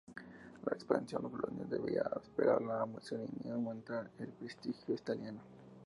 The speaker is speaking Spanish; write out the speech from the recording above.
La expansión colonial debía, esperaba Mussolini, aumentar el prestigio italiano.